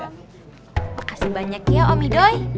makasih banyak ya om ydhoi